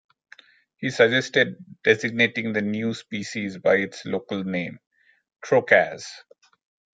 He suggested designating the new species by its local name, "trocaz".